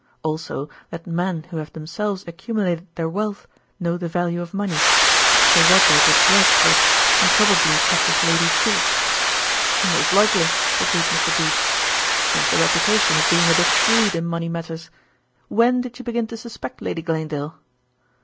Also that men who have themselves accumulated their wealth know the value of money. Sir Roger disliked bridge and probably kept his lady short." "Most likely," agreed Mr. Goodge. "He has the reputation of being a bit shrewd in money matters. When did you begin to suspect Lady Glanedale?"